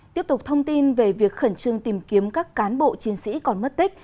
tiếp tục thông tin về việc khẩn trương tìm kiếm các cán bộ chiến sĩ còn mất tích